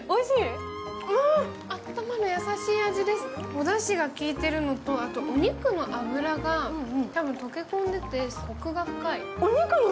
おだしがきいているのと、お肉の脂が溶け込んでてこくが深い。